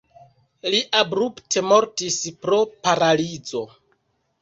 Li abrupte mortis pro paralizo.